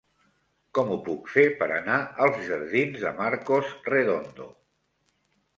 Com ho puc fer per anar als jardins de Marcos Redondo?